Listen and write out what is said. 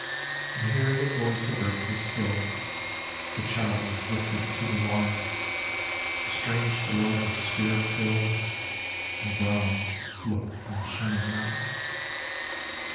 And here the voice of earth was stilled, The child was lifted to the Wise : A strange delight his spirit rilled, And Brahm looked from his shining eyes.